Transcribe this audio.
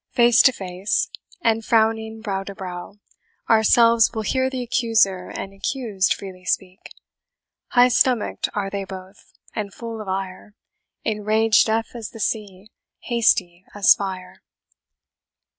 Face to face, And frowning brow to brow, ourselves will hear The accuser and accused freely speak; High stomach'd are they both, and full of ire, In rage deaf as the sea, hasty as fire.